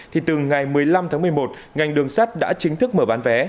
thì từ ngày một mươi năm tháng một mươi một ngành đường sắt đã chính thức mở bán vé